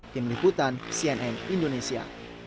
yang meliputan cnn indonesia